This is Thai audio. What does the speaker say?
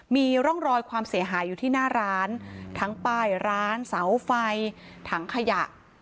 มีร่องรอยความเสียหายอยู่ที่หน้าร้านทั้งป้ายร้านเสาไฟถังขยะ